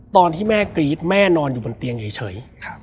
ตอนที่แม่กรี๊ดแม่นอนอยู่บนเตียงเฉย